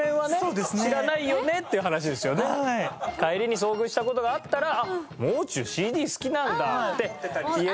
帰りに遭遇した事があったら「あっもう中ＣＤ好きなんだ」って言えるけど。